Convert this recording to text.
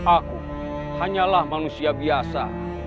aku hanyalah manusia biasa